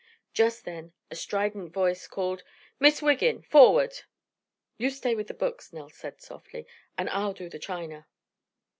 Just then a strident voice called, "Miss Wiggin, forward!" "You stay with the books," Nell said softly, "and I'll do the china."